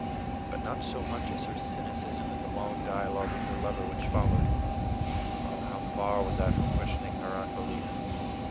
But not so much as her cynicism in the long dialogue with her lover which followed. How far was I from questioning her unbelief!